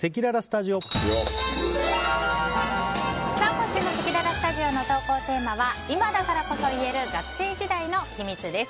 今週のせきららスタジオの投稿テーマは今だからこそ言える学生時代の秘密！です。